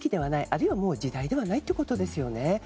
あるいは時代ではないということですね。